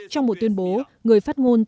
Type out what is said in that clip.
trong một tuyên bố người phát ngôn tổng thư ký